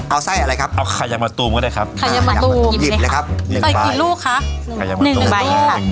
เอาไส้อะไรครับเอาไข่ยังมะตูมก็ได้ครับไข่ยังมะตูมหยิบเลยครับ